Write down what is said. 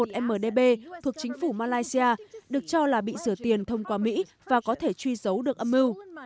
quỹ một mdb thuộc chính phủ malaysia được cho là bị sửa tiền thông qua mỹ và có thể truy giấu được âm mưu